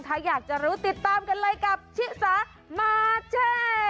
ถ้าอยากจะรู้ติดตามกันเลยกับชิสามาเช่